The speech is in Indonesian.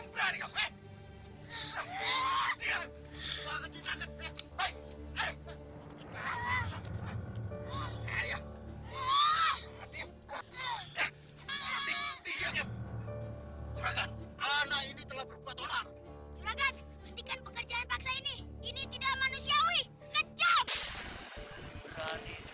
berani juga kamu anak ini